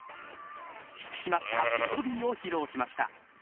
引き締まった美ボディを披露しました。